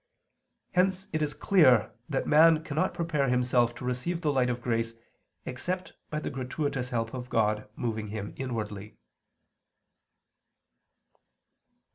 Hence it is clear that man cannot prepare himself to receive the light of grace except by the gratuitous help of God moving him inwardly.